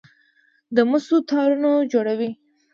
د مسو تارونه جوړوي.